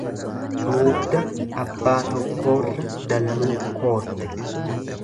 Duugda abbaa tokkoorra dalluun koorte.